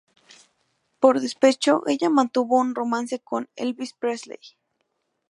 Por despecho, ella mantuvo un romance con Elvis Presley.